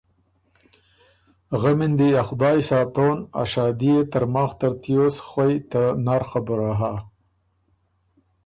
غمی ن دی ا خدایٛ ساتون ا شادي يې ترماخ ترتیوس خوئ ته نرخبُره هۀ۔